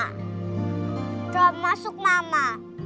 ketua masuk mama